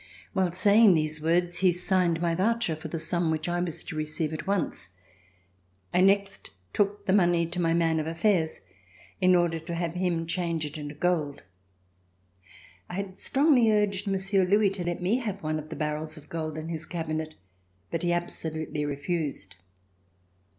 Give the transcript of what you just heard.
While saying these words, he signed my voucher for the sum which I was to receive at once. I next took the money to my man of affairs in order to have him change it into gold. I had strongly urged Mon sieur Louis to let me have one of the barrels of gold in his cabinet, but he absolutely refused.